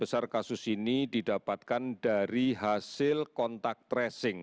proses penambahan kasus ini didapatkan dari hasil kontak tracing